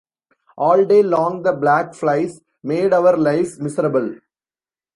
All day long the black flies made our lives miserable.